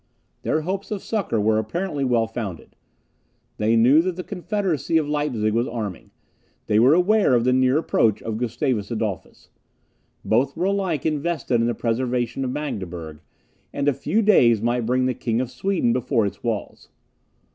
Their hopes of succour were apparently well founded. They knew that the confederacy of Leipzig was arming; they were aware of the near approach of Gustavus Adolphus. Both were alike interested in the preservation of Magdeburg; and a few days might bring the King of Sweden before its walls.